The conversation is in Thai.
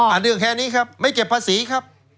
เรื่องแค่นี้ครับไม่เก็บภาษีครับ